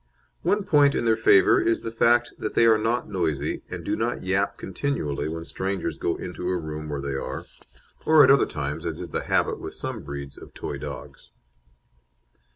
One point in their favour is the fact that they are not noisy, and do not yap continually when strangers go into a room where they are, or at other times, as is the habit with some breeds of toy dogs.